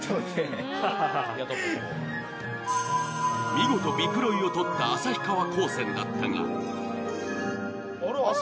見事ビクロイを獲った旭川高専だったが。